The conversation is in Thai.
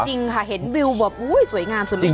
จริงค่ะเห็นวิวแบบอุ้ยสวยงามสุดเลย